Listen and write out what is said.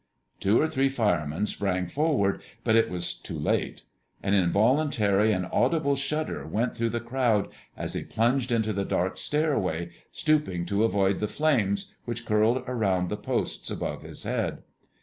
Two or three firemen sprang forward, but it was too late. An involuntary and audible shudder went through the crowd as he plunged into the black stairway, stooping to avoid the flames which curled around the posts above his head.